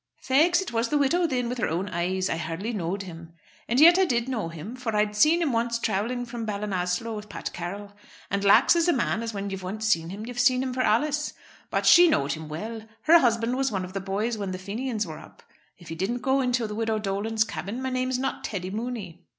"Faix, it was the widow thin, with her own eyes. I hardly know'd him. And yet I did know him, for I'd seen him once travelling from Ballinasloe with Pat Carroll. And Lax is a man as when you've once seen him you've seen him for allays. But she knowed him well. Her husband was one of the boys when the Fenians were up. If he didn't go into the widow Dolan's cabin my name's not Teddy Mooney."